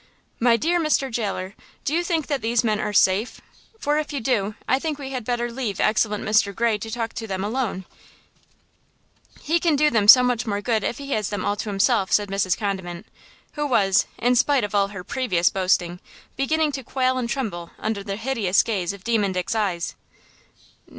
"My dear Mr. Jailer, do you think that these men are safe–for if you do, I think we had better leave excellent Mr. Gray to talk to them alone–he can do them so much more good if he has them all to himself," said Mrs. Condiment, who was, in spite of all her previous boasting, beginning to quail and tremble under the hideous glare of Demon Dick's eyes.